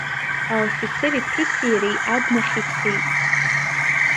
Аофицер иԥҳәыси иареи абнахь ицеит.